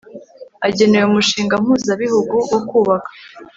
agenewe umushinga mpuzabihugu wo kubaka